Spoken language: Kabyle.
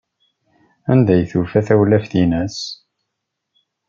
Anda ay tufa tawlaft-nnes?